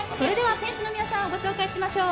選手の皆さんをご紹介しましょう。